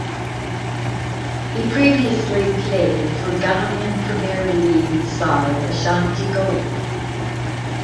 He previously played for Ghanaian Premier League side Ashanti Gold.